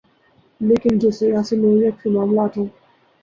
لیکن جو سیاسی نوعیت کے معاملات ہوں۔